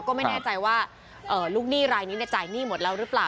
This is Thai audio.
ก็ไม่แน่ใจว่าลูกหนี้รายนี้จ่ายหนี้หมดแล้วหรือเปล่า